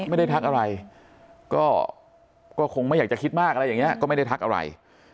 ทักอะไรก็คงไม่อยากจะคิดมากอะไรอย่างนี้ก็ไม่ได้ทักอะไร